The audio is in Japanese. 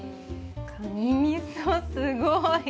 カニみそ、すごい。